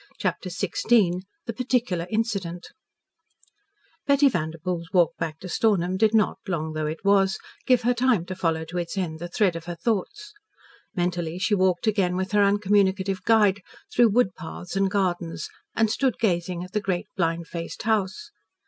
CHAPTER XVI THE PARTICULAR INCIDENT Betty Vanderpoel's walk back to Stornham did not, long though it was, give her time to follow to its end the thread of her thoughts. Mentally she walked again with her uncommunicative guide, through woodpaths and gardens, and stood gazing at the great blind faced house.